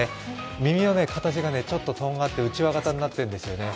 耳の形がちょっととんがってうちわ形になってるんですね。